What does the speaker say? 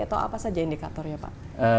atau apa saja indikatornya pak